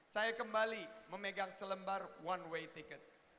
saya kembali memegang selembar one way tiket